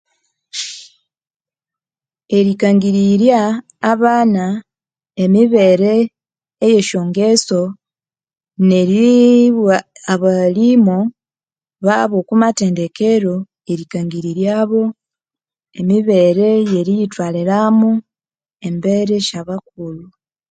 Erikangirirya abana emibere eyesyangeso neri bugha abahalimu babo omwamathenderekero eribeghesya emibere eyeriyithwaliramu embere syabakulhu